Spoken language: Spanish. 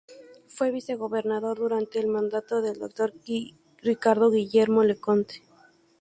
Fue vicegobernador durante el mandato del Dr. Ricardo Guillermo Leconte.